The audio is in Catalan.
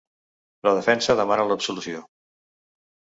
La defensa demana l’absolució.